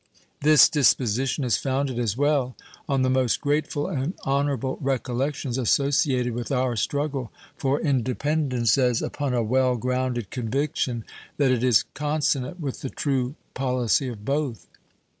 This disposition is founded as well on the most grateful and honorable recollections associated with our struggle for independence as upon a well grounded conviction that it is consonant with the true policy of both.